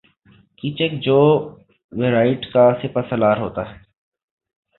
کیچک جو ویراٹ کا سپاہ سالار ہوتا ہے